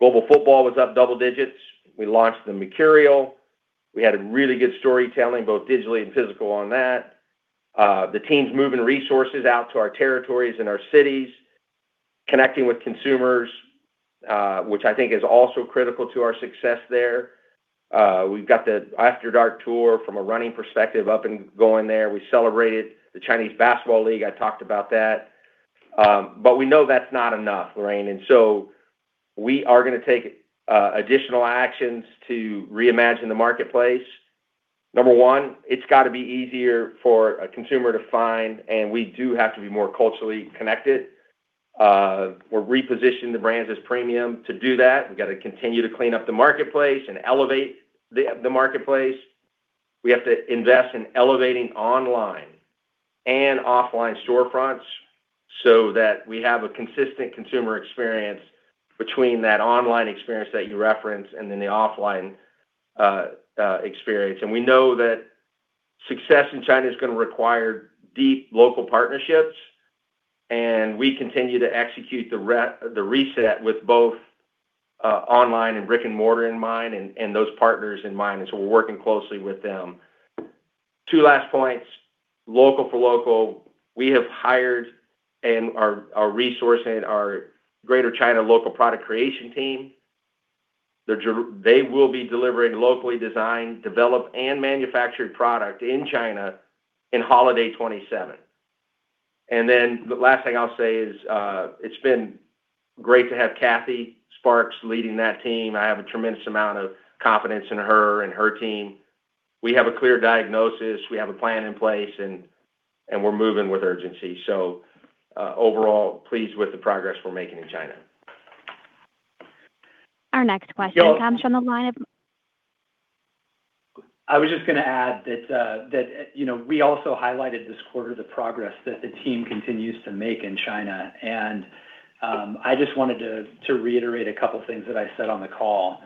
[SPEAKER 3] Global Football was up double digits. We launched the Mercurial. We had really good storytelling, both digitally and physical on that. The team's moving resources out to our territories and our cities, connecting with consumers, which I think is also critical to our success there. We've got the After Dark Tour from a running perspective up and going there. We celebrated the Chinese Basketball League. I talked about that. We know that's not enough, Lorraine. We are going to take additional actions to reimagine the marketplace. Number one, it's got to be easier for a consumer to find, and we do have to be more culturally connected. We're repositioning the brands as premium. To do that, we've got to continue to clean up the marketplace and elevate the marketplace. We have to invest in elevating online and offline storefronts so that we have a consistent consumer experience between that online experience that you referenced and then the offline experience. We know that success in China is going to require deep local partnerships, and we continue to execute the reset with both online and brick-and-mortar in mind and those partners in mind. We're working closely with them. Two last points. Local for local, we have hired and are resourcing our Greater China local product creation team. They will be delivering locally designed, developed, and manufactured product in China in holiday 2027. The last thing I'll say is it's been great to have Cathy Sparks leading that team. I have a tremendous amount of confidence in her and her team. We have a clear diagnosis, we have a plan in place, and we're moving with urgency. Overall, pleased with the progress we're making in China.
[SPEAKER 4] I was just going to add that we also highlighted this quarter the progress that the team continues to make in China, and I just wanted to reiterate a couple things that I said on the call.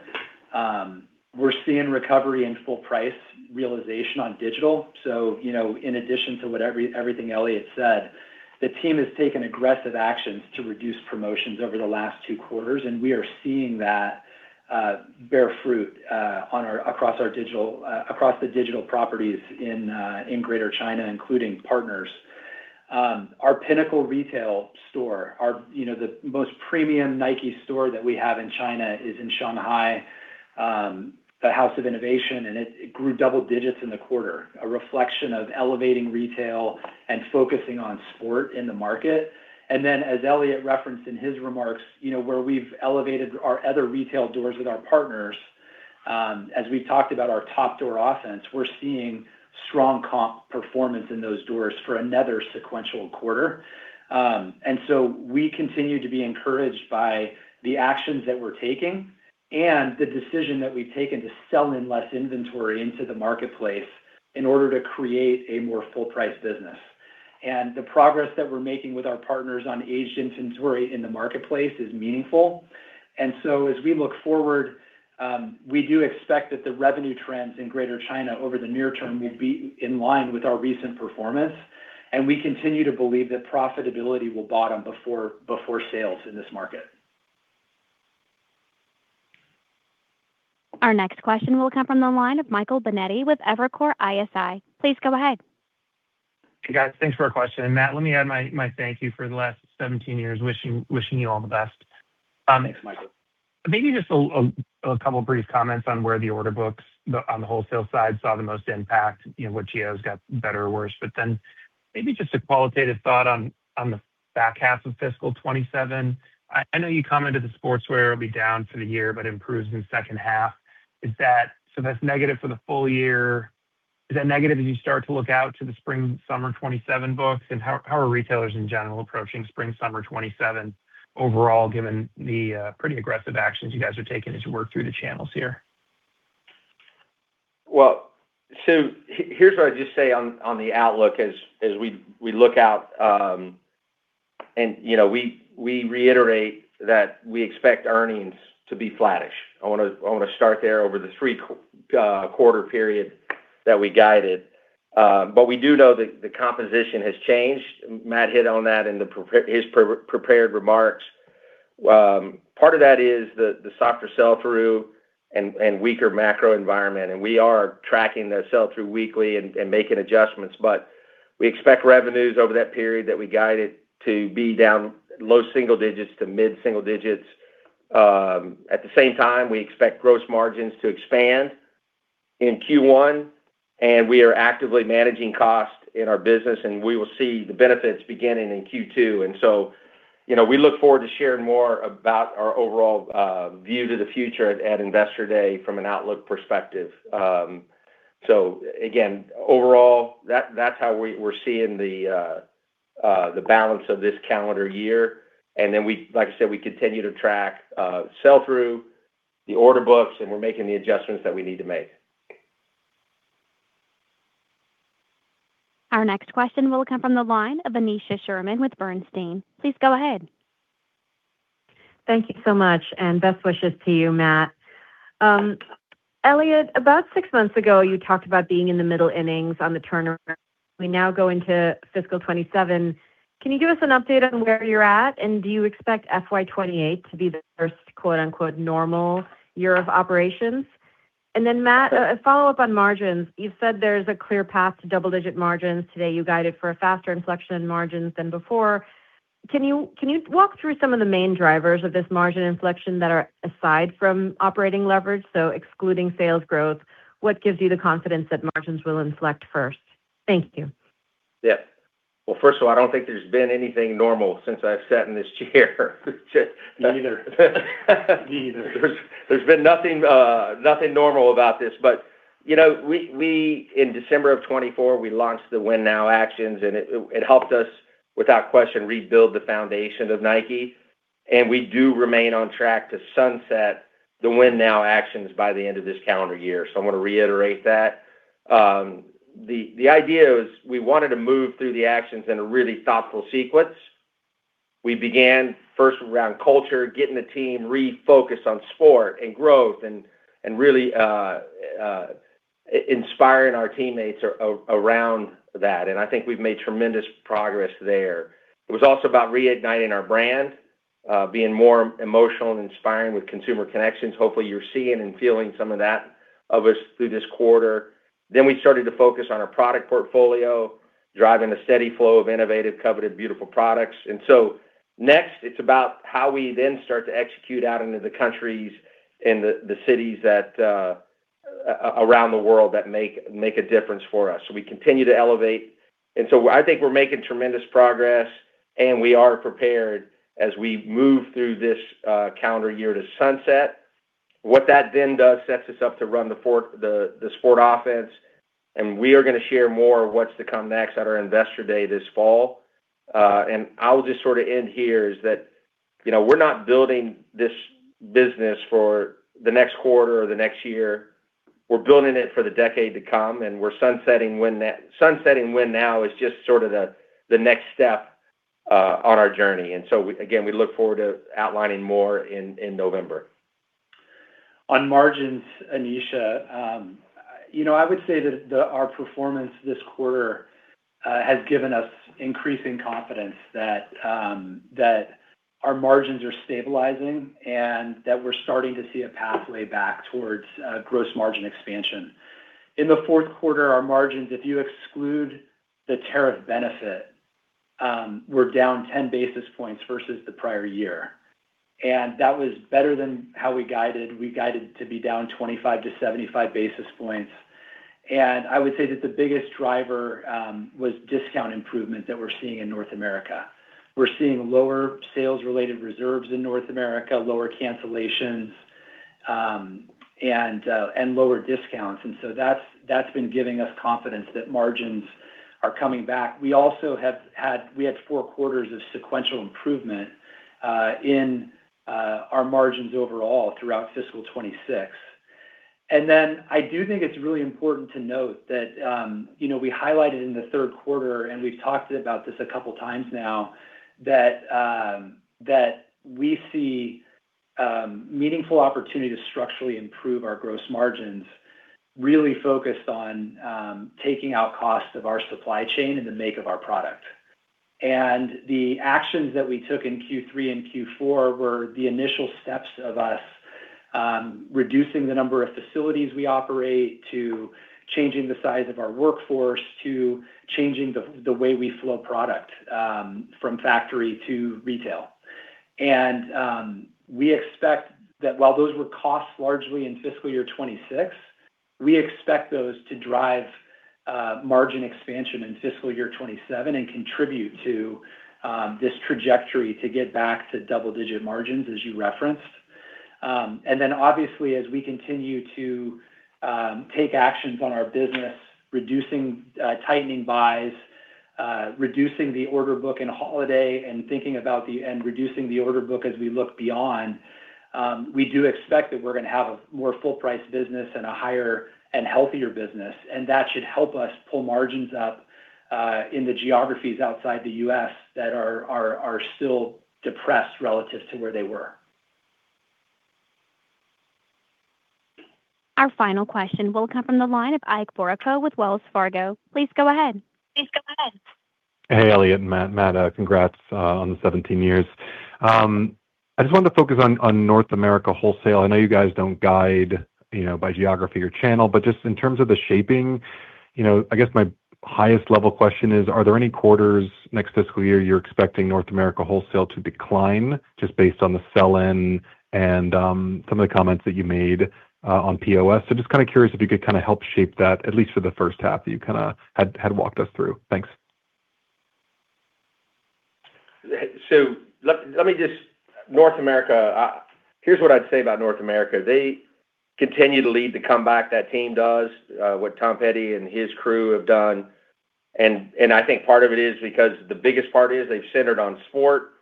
[SPEAKER 4] We're seeing recovery in full price realization on digital. In addition to everything Elliott said, the team has taken aggressive actions to reduce promotions over the last two quarters, and we are seeing that bear fruit across the digital properties in Greater China, including partners. Our pinnacle retail store, the most premium Nike store that we have in China is in Shanghai, the House of Innovation, and it grew double digits in the quarter. A reflection of elevating retail and focusing on sport in the market. As Elliott referenced in his remarks, where we've elevated our other retail doors with our partners, as we've talked about our top door offense, we're seeing strong comp performance in those doors for another sequential quarter. We continue to be encouraged by the actions that we're taking and the decision that we've taken to sell in less inventory into the marketplace in order to create a more full price business. The progress that we're making with our partners on aged inventory in the marketplace is meaningful. As we look forward, we do expect that the revenue trends in Greater China over the near term will be in line with our recent performance, and we continue to believe that profitability will bottom before sales in this market.
[SPEAKER 1] Our next question will come from the line of Michael Binetti with Evercore ISI. Please go ahead.
[SPEAKER 9] Hey, guys. Thanks for the question. Matt, let me add my thank you for the last 17 years. Wishing you all the best.
[SPEAKER 4] Thanks, Michael.
[SPEAKER 9] Maybe just a couple brief comments on where the order books on the wholesale side saw the most impact, what geos got better or worse, then maybe just a qualitative thought on the back half of fiscal 2027. I know you commented the Sportswear will be down for the year but improves in the second half. That's negative for the full year. Is that negative as you start to look out to the spring/summer 2027 books? How are retailers in general approaching spring/summer 2027 overall, given the pretty aggressive actions you guys are taking as you work through the channels here?
[SPEAKER 3] Here's what I'd just say on the outlook as we look out. We reiterate that we expect earnings to be flattish. I want to start there over the three-quarter period that we guided. We do know that the composition has changed. Matt hit on that in his prepared remarks. Part of that is the softer sell-through and weaker macro environment, we are tracking the sell-through weekly and making adjustments. We expect revenues over that period that we guided to be down low single digits to mid-single digits. At the same time, we expect gross margins to expand in Q1, we are actively managing cost in our business, we will see the benefits beginning in Q2. We look forward to sharing more about our overall view to the future at Investor Day from an outlook perspective. Again, overall, that's how we're seeing the balance of this calendar year. Then, like I said, we continue to track sell-through, the order books, and we're making the adjustments that we need to make.
[SPEAKER 1] Our next question will come from the line of Aneesha Sherman with Bernstein. Please go ahead.
[SPEAKER 10] Thank you so much, and best wishes to you, Matt. Elliott, about six months ago, you talked about being in the middle innings on the turnaround. We now go into fiscal 2027. Can you give us an update on where you're at, and do you expect FY 2028 to be the first "normal" year of operations? Then Matt, a follow-up on margins. You said there's a clear path to double-digit margins. Today, you guided for a faster inflection in margins than before. Can you walk through some of the main drivers of this margin inflection that are aside from operating leverage? Excluding sales growth, what gives you the confidence that margins will inflect first? Thank you.
[SPEAKER 3] Yeah. Well, first of all, I don't think there's been anything normal since I've sat in this chair.
[SPEAKER 4] Me either.
[SPEAKER 3] There's been nothing normal about this. In December of 2024, we launched the Win Now actions, and it helped us, without question, rebuild the foundation of Nike. We do remain on track to sunset the Win Now actions by the end of this calendar year. I want to reiterate that. The idea is we wanted to move through the actions in a really thoughtful sequence. We began first around culture, getting the team refocused on sport and growth and really inspiring our teammates around that. I think we've made tremendous progress there. It was also about reigniting our brand, being more emotional and inspiring with consumer connections. Hopefully, you're seeing and feeling some of that of us through this quarter. We started to focus on our product portfolio, driving a steady flow of innovative, coveted, beautiful products. Next, it's about how we then start to execute out into the countries and the cities around the world that make a difference for us. We continue to elevate. I think we're making tremendous progress, and we are prepared as we move through this calendar year to sunset. What that then does sets us up to run the Sport Offense, and we are going to share more of what's to come next at our Investor Day this fall. I'll just end here is that we're not building this business for the next quarter or the next year. We're building it for the decade to come, and sunsetting Win Now is just the next step on our journey. Again, we look forward to outlining more in November.
[SPEAKER 4] On margins, Aneesha. I would say that our performance this quarter has given us increasing confidence that our margins are stabilizing and that we're starting to see a pathway back towards gross margin expansion. In the fourth quarter, our margins, if you exclude the tariff benefit, were down 10 basis points versus the prior year. That was better than how we guided. We guided to be down 25-75 basis points. I would say that the biggest driver was discount improvement that we're seeing in North America. We're seeing lower sales-related reserves in North America, lower cancellations, and lower discounts. That's been giving us confidence that margins are coming back. We had four quarters of sequential improvement in our margins overall throughout fiscal year 2026. I do think it's really important to note that we highlighted in the third quarter, and we've talked about this a couple of times now, that we see meaningful opportunity to structurally improve our gross margins, really focused on taking out costs of our supply chain in the make of our product. The actions that we took in Q3 and Q4 were the initial steps of us reducing the number of facilities we operate, to changing the size of our workforce, to changing the way we flow product from factory to retail. We expect that while those were costs largely in fiscal year 2026, we expect those to drive margin expansion in fiscal year 2027 and contribute to this trajectory to get back to double-digit margins, as you referenced. Obviously, as we continue to take actions on our business, reducing tightening buys, reducing the order book in holiday and reducing the order book as we look beyond, we do expect that we're going to have a more full-price business and a higher and healthier business, that should help us pull margins up in the geographies outside the U.S. that are still depressed relative to where they were.
[SPEAKER 1] Our final question will come from the line of Ike Boruchow with Wells Fargo. Please go ahead.
[SPEAKER 11] Hey, Elliott and Matt. Matt, congrats on the 17 years. I just wanted to focus on North America wholesale. I know you guys don't guide by geography or channel, but just in terms of the shaping, I guess my highest level question is, are there any quarters next fiscal year you're expecting North America wholesale to decline just based on the sell-in and some of the comments that you made on POS? Just kind of curious if you could help shape that, at least for the first half that you had walked us through. Thanks.
[SPEAKER 3] Let me just Here's what I'd say about North America. They continue to lead the comeback. That team does what Tom Peddie and his crew have done. I think part of it is because the biggest part is they've centered on sport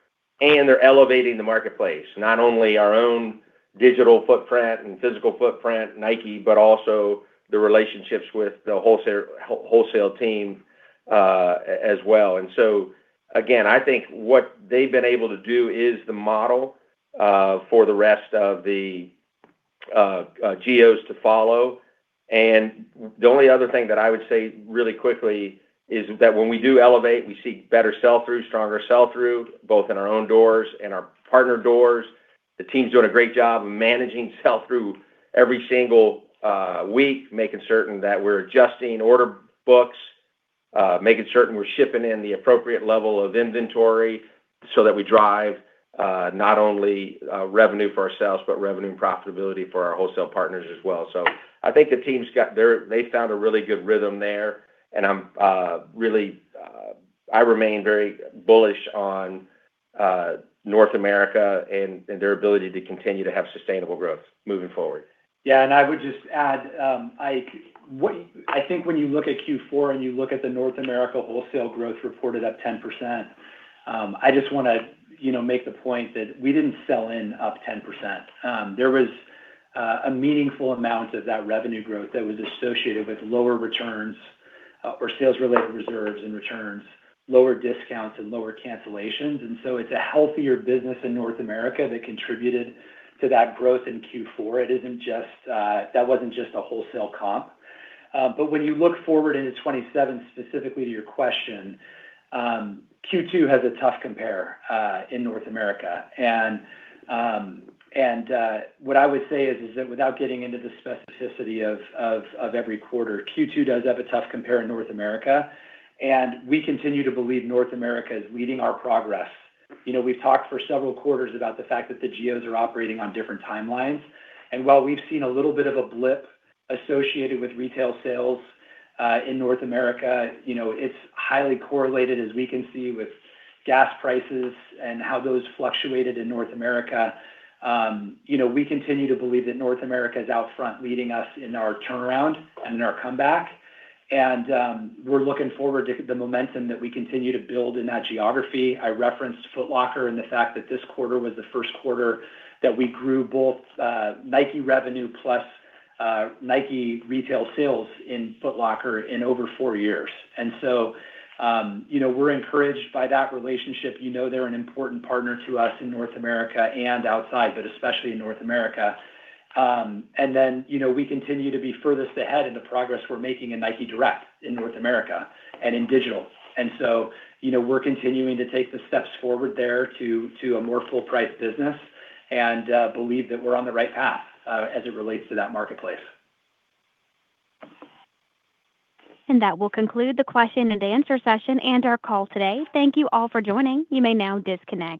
[SPEAKER 3] and they're elevating the marketplace. Not only our own digital footprint and physical footprint, Nike, but also the relationships with the wholesale team as well. Again, I think what they've been able to do is the model for the rest of the geos to follow. The only other thing that I would say really quickly is that when we do elevate, we see better sell-through, stronger sell-through, both in our own doors and our partner doors. The team's doing a great job of managing sell-through every single week, making certain that we're adjusting order books, making certain we're shipping in the appropriate level of inventory so that we drive not only revenue for ourselves, but revenue and profitability for our wholesale partners as well. I think the teams, they found a really good rhythm there, and I remain very bullish on North America and their ability to continue to have sustainable growth moving forward.
[SPEAKER 4] I would just add, I think when you look at Q4 and you look at the North America wholesale growth reported up 10%, I just want to make the point that we didn't sell in up 10%. There was a meaningful amount of that revenue growth that was associated with lower returns or sales related reserves and returns, lower discounts and lower cancellations. It's a healthier business in North America that contributed to that growth in Q4. That wasn't just a wholesale comp. When you look forward into 2027, specifically to your question, Q2 has a tough compare in North America. What I would say is that without getting into the specificity of every quarter, Q2 does have a tough compare in North America, and we continue to believe North America is leading our progress. We've talked for several quarters about the fact that the geos are operating on different timelines. While we've seen a little bit of a blip associated with retail sales, in North America, it's highly correlated, as we can see, with gas prices and how those fluctuated in North America. We continue to believe that North America is out front leading us in our turnaround and in our comeback. We're looking forward to the momentum that we continue to build in that geography. I referenced Foot Locker and the fact that this quarter was the first quarter that we grew both Nike revenue plus Nike retail sales in Foot Locker in over four years. We're encouraged by that relationship. You know they're an important partner to us in North America and outside, but especially in North America. We continue to be furthest ahead in the progress we're making in Nike Direct in North America and in digital. We're continuing to take the steps forward there to a more full price business and, believe that we're on the right path, as it relates to that marketplace.
[SPEAKER 1] That will conclude the question and answer session and our call today. Thank you all for joining. You may now disconnect.